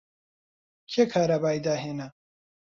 کێ کارەبای داهێنا؟